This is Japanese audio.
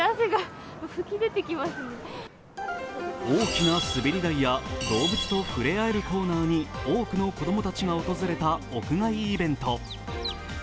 大きな滑り台や動物と触れ合えるコーナーに多くの子どもたちが訪れた屋外イベント。